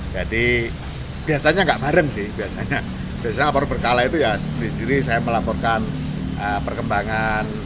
jadi biasanya gak bareng sih biasanya laporan berkala itu ya sendiri sendiri saya melaporkan perkembangan